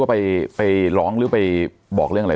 ปากกับภาคภูมิ